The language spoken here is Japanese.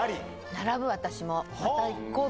並ぶ、私も。